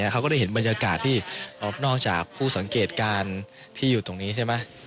เขาก็ได้เห็นบรรยากาศที่นอกจากผู้สังเกตการณ์ที่อยู่ตรงนี้ใช่ไหม